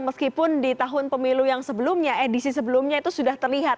meskipun di tahun pemilu yang sebelumnya edisi sebelumnya itu sudah terlihat